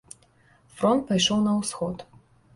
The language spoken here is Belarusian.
Фронт пайшоў на ўсход.